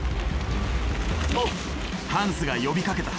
ハンスが呼びかけた。